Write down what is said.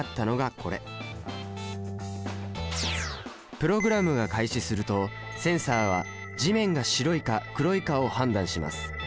プログラムが開始するとセンサは地面が白いか黒いかを判断します。